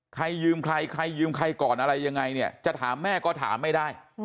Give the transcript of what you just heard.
ใครยืมใครใครยืมใครก่อนอะไรยังไงเนี่ยจะถามแม่ก็ถามไม่ได้